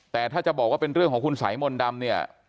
แต่ถ้าจะบอกว่าเป็นเรื่องของคุณสายมนต์ดำเนี่ย